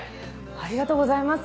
ありがとうございます。